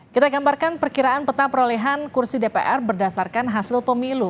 kita gambarkan perkiraan peta perolehan kursi dpr berdasarkan hasil pemilu